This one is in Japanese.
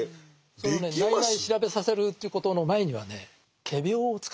そのね内々調べさせるということの前にはねへ賢い。